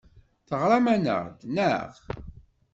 Teɣram-aneɣ-d, naɣ?